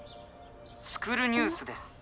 「スクる！ニュース」です。